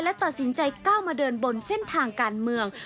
และตัดสินใจก้าวมาเดินบนเส้นทางการเมือง